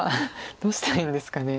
どうしたらいいんですかね。